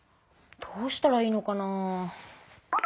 どうしたらいいのかなあ？